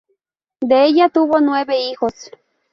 De ella tuvo nueve hijos.